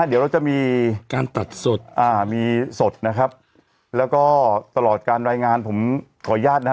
เดี๋ยวเราจะมีการตัดสดอ่ามีสดนะครับแล้วก็ตลอดการรายงานผมขออนุญาตนะฮะ